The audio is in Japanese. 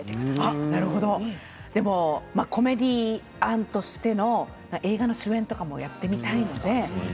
１０年後コメディアンとしての映画の主演とかもやってみたいです。